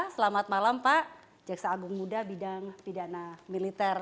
selamat malam pak jaksa agung muda bidang pidana militer